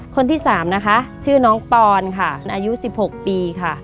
คนที่สามนะคะชื่อน้องปอร์นค่ะอายุสิบหกปีค่ะ